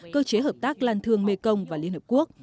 cơ chế hợp tác lan thương mekong và liên hợp quốc